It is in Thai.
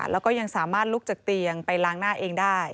แล้วก็ยังสามารถลุกจากเตียงไปล้างหน้าเองได้